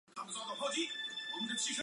中国鼩鼹为鼹科鼩鼹属的动物。